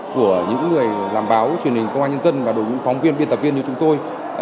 của những người làm báo truyền hình công an nhân dân và đội ngũ phóng viên biên tập viên như chúng tôi